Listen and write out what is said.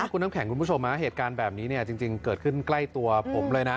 คุณน้ำแข็งคุณผู้ชมเหตุการณ์แบบนี้จริงเกิดขึ้นใกล้ตัวผมเลยนะ